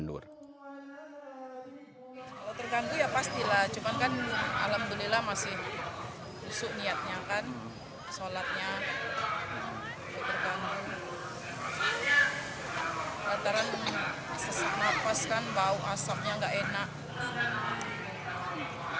kalau tergantung ya pastilah cuman kan alhamdulillah masih usuk niatnya kan sholatnya